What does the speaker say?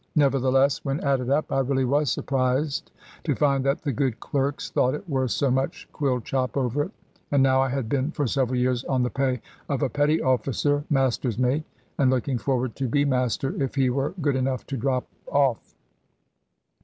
Nevertheless, when added up, I really was surprised to find that the good clerks thought it worth so much quill chop over it. And now I had been for several years on the pay of a petty officer (master's mate), and looking forward to be master, if he were good enough to drop off.